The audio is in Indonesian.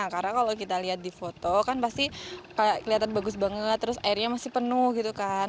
karena kalau kita lihat di foto kan pasti kelihatan bagus banget terus airnya masih penuh gitu kan